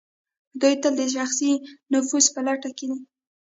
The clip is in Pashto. دوی تل د شخصي نفوذ په لټه کې دي.